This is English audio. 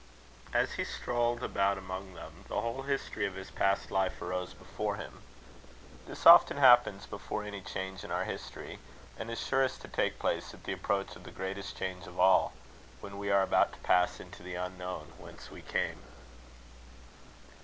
As he strolled about among them, the whole history of his past life arose before him. This often happens before any change in our history, and is surest to take place at the approach of the greatest change of all, when we are about to pass into the unknown, whence we came.